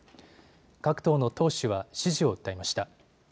各党の党首は支持を訴えました。